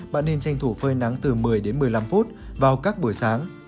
bạn nên tranh thủ phơi nắng từ một mươi đến một mươi năm phút vào các buổi sáng